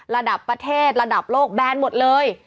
ระดับประเทศระดับโลกแบนหมดเลย